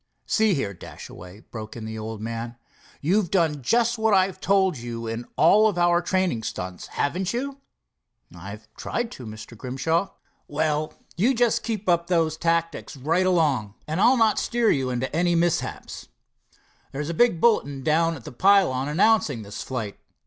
"See here, Dashaway," broke in the old man, "you've done just what I told you in all our training stunts, haven't you?" "I've tried to, Mr. Grimshaw." "Well, you just keep up those tactics right along, and I'll not steer you into any mishaps. There's a big bulletin down at the pylon announcing this flight.